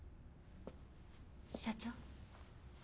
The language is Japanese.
社長。